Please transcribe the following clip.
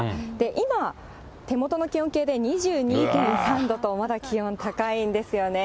今、手元の気温計で２２．３度と、まだ気温、高いんですよね。